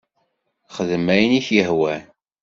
Xdem ayen i k-yehwan.